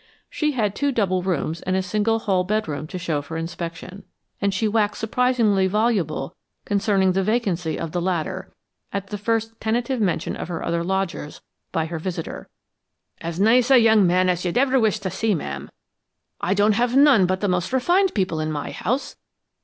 She had two double rooms and a single hall bedroom to show for inspection, and she waxed surprisingly voluble concerning the vacancy of the latter, at the first tentative mention of her other lodgers, by her visitor. "As nice a young man as ever you'd wish to see, ma'am. I don't have none but the most refined people in my house.